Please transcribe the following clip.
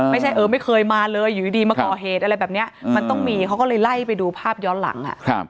ไม่ใช่เออไม่เคยมาเลยอยู่ดีมาก่อเหตุอะไรแบบนี้มันต้องมีเขาก็เลยไล่ไปดูภาพย้อนหลัง